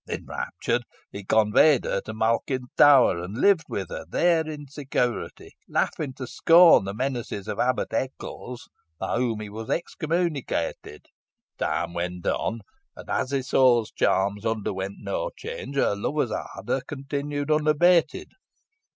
Enraptured, he conveyed her to Malkin Tower, and lived with her there in security, laughing to scorn the menaces of Abbot Eccles, by whom he was excommunicated. "Time went on, and as Isole's charms underwent no change, her lover's ardour continued unabated.